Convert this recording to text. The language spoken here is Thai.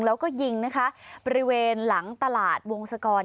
แล้วก็ยิงนะคะบริเวณหลังตลาดวงศกร